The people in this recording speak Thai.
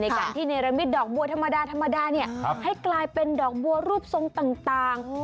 ในการที่ในระมิดดอกบัวธรรมดาให้กลายเป็นดอกบัวรูปทรงต่าง